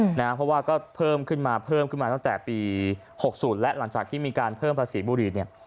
เพราะว่าก็เพิ่มขึ้นมาเพิ่มขึ้นมาตั้งแต่ปี๖๐และหลังจากที่มีการเพิ่มภาษีบุหรี่เนี่ย